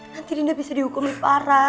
nanti dinda bisa dihukumi parah